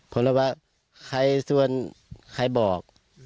คนละวะใครชวนใครบอก